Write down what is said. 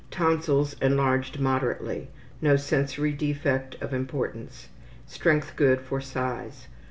Tonsils enlarged moderately. No sensory defect of importance. Strength good for size.